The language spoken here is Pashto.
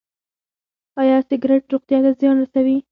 ایا سګرټ روغتیا ته زیان رسوي؟